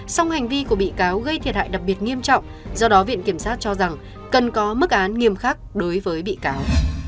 song hành vi của bị cáo gây thiệt hại đặc biệt nghiêm trọng do đó viện kiểm sát cho rằng cần có mức án nghiêm khắc đối với bị cáo